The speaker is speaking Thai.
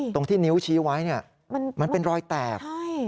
ตรงที่นิ้วชี้ไว้มันเป็นรอยแตก